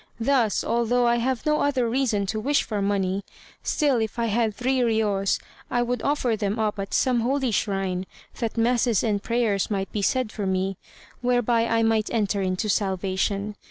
Thus, although I have no other reason to wish for money, still if I had three riyos I would offer them up at some holy shrine, that masses and prayers might be said for me, whereby I might enter into salvation.